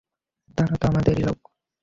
তারা তো আমাদেরই লোক।